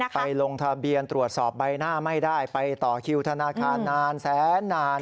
ลงทะเบียนตรวจสอบใบหน้าไม่ได้ไปต่อคิวธนาคารนานแสนนาน